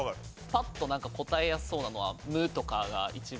パッと答えやすそうなのは「無」とかが一番。